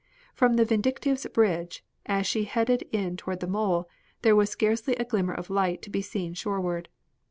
From the Vindictive's bridge, as she headed in toward the mole, there was scarcely a glimmer of light to be seen shoreward.